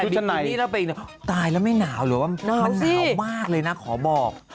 ใช่ใส่บิ๊กบิ๊กนี้แล้วไปอีกหนึ่งตายแล้วไม่หนาวเหรอว่ามันหนาวมากเลยนะขอบอก